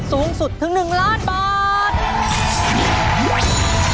สูงสุดถึง๑ล้านบาท